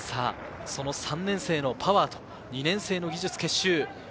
３年生のパワーと２年生の技術結集。